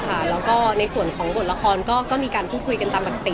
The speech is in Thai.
แล้วก็ในส่วนของบทละครก็มีการพูดคุยกันตามปกติ